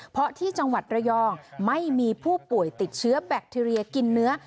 เพราะที่จังหวัดระยองไม่มีผู้ป่วยติดเชื้อแบคทีเรียกินเนื้อ